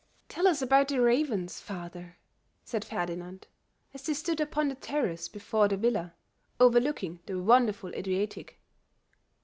"Tell us about the ravens, father," said Ferdinand, as they stood upon the terrace before the villa, overlooking the wonderful Adriatic.